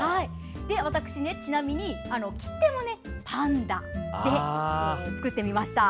私、ちなみに切手もパンダで作ってみました。